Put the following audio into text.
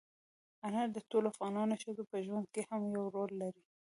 انار د ټولو افغان ښځو په ژوند کې هم یو رول لري.